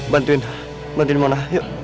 bantuin bantuin mona yuk